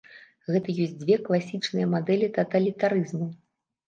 Гэта ёсць дзве класічныя мадэлі таталітарызму.